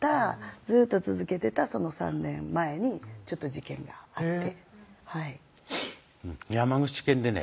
ずーっと続けてたその３年前にちょっと事件があって山口県でね